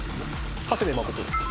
長谷部誠。